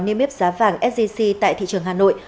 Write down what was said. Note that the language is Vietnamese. niêm yếp giá vàng sgc tại thị trường hà nội